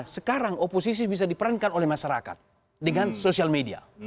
sekarang oposisi bisa diperankan oleh masyarakat dengan sosial media